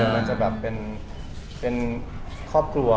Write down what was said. มันจะเป็นนังครอบครัว